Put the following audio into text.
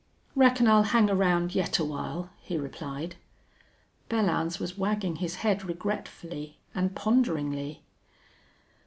"Reckon I'll hang around yet awhile," he replied. Belllounds was wagging his head regretfully and ponderingly.